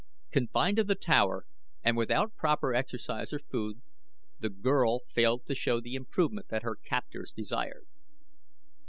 Confined to the tower and without proper exercise or food, the girl failed to show the improvement that her captors desired.